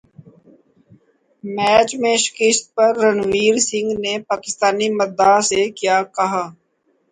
match میں شکست پر رنویر سنگھ نے پاکستانی مداح سے کیا کہا